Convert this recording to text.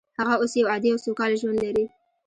هغه اوس یو عادي او سوکاله ژوند لري